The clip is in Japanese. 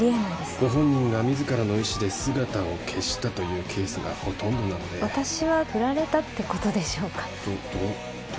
ご本人が自らの意思で姿を消したというケースがほとんどなので私はフラれたってことでしょうかどどどど